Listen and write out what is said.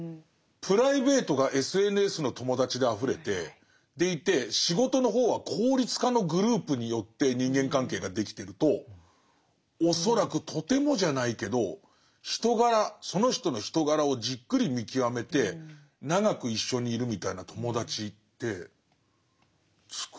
プライベートがＳＮＳの友達であふれてでいて仕事の方は効率化のグループによって人間関係ができてると恐らくとてもじゃないけど人柄その人の人柄をじっくり見極めて長く一緒にいるみたいな友達ってつくれない。